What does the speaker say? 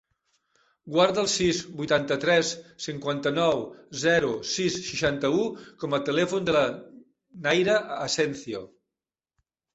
Guarda el sis, vuitanta-tres, cinquanta-nou, zero, sis, seixanta-u com a telèfon de la Nayra Asencio.